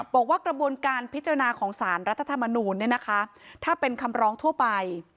บอกว่ากระบวนการพิจารณาของสารรัฐธรรมนูลถ้าเป็นคำร้องทั่วไป